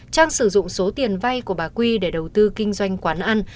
trang sử dụng số tiền vay của bà quy để đầu tư kinh doanh quán ăn